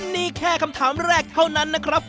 นี่แค่คำถามแรกเท่านั้นนะครับ